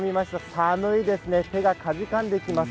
寒いです、手がかじかんできます。